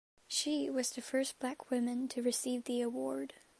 She was the first black woman to receive the award.